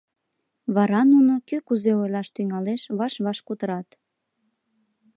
Вара нуно, кӧ кузе ойлаш тӱҥалеш, ваш-ваш кутырат.